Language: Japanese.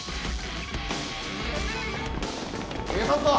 警察だ！